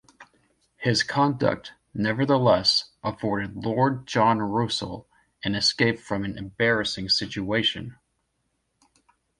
His conduct, nevertheless, afforded Lord John Russell an escape from an embarrassing situation.